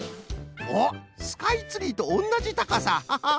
おっスカイツリーとおんなじたかさ！